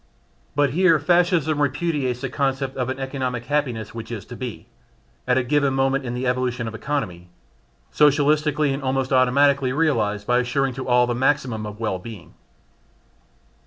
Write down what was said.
But here Fascism repudiates the concept of an economic "happiness" which is to be at a given moment in the evolution of economy socialistically and almost automatically realised by assuring to all the maximum of well being.